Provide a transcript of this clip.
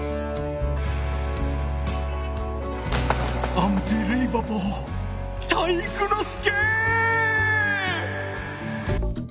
アンビリーバボー体育ノ介！